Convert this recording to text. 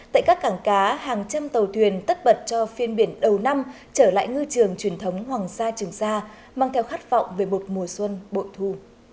tại các cảng cá hàng trăm tàu thuyền tất bật cho phiên biển đầu năm trở lại ngư trường truyền thống hoàng sa trường sa mang theo khát vọng về một mùa xuân bội thu